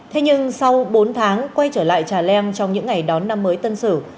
thế nhưng sau bốn tháng quay trở lại trà leng trong những ngày đón năm mới tân sử